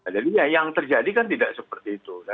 jadi yang terjadi kan tidak seperti itu